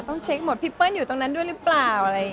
ต้องเช็คหมดพี่เปิ้ลอยู่ตรงนั้นด้วยหรือเปล่าอะไรอย่างนี้